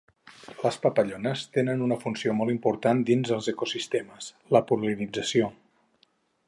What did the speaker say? Les papallones tenen una funció molt important dins els ecosistemes: la pol·linització.